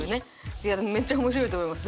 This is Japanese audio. いやめっちゃ面白いと思います。